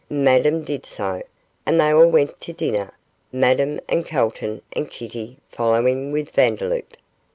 Madame did so, and they all went to dinner, Madame with Calton and Kitty following with Vandeloup.